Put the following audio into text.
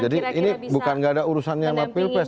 jadi ini bukan nggak ada urusannya sama pilpres